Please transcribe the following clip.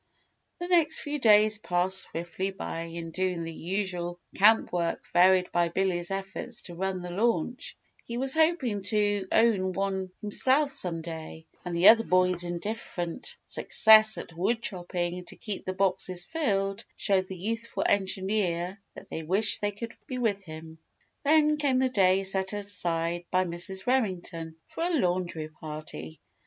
The next few days passed swiftly by in doing the usual camp work varied by Billy's efforts to run the launch he was hoping to own one himself some day; and the other boys' indifferent success at wood chopping to keep the boxes filled, showed the youthful engineer that they wished they could be with him. Then came the day set aside by Mrs. Remington for a "laundry party."